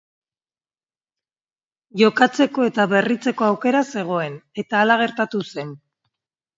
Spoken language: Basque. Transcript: Jokatzeko eta berritzeko aukera zegoen eta hala gertatu zen.